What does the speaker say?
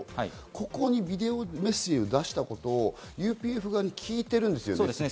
ここにビデオメッセージを出したことをＵＰＦ側に聞いてるんですよね。